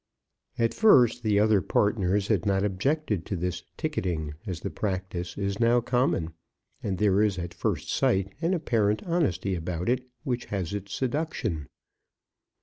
At first, the other partners had not objected to this ticketing, as the practice is now common, and there is at first sight an apparent honesty about it which has its seduction.